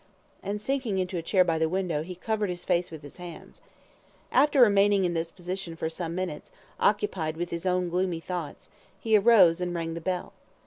and sinking into a chair by the window, he covered his face with his hands. After remaining in this position for some minutes, occupied with his own gloomy thoughts, he arose and rang the bell.